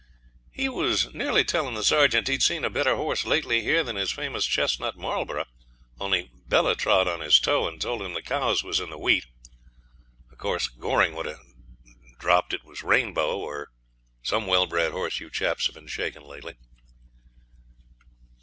'He was nearly telling the sergeant he'd seen a better horse lately here than his famous chestnut Marlborough, only Bella trod on his toe, and told him the cows was in the wheat. Of course Goring would have dropped it was Rainbow, or some well bred horse you chaps have been shaking lately.'